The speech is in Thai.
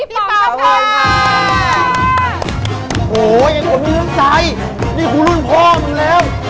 นี่แล้วกูรุ่นพ่อมันแล้ว